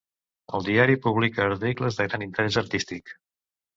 El diari publica articles de gran interès artístic.